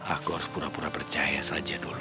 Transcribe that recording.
aku harus pura pura percaya saja dulu